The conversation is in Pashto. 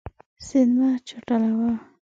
سیند مه چټلوه.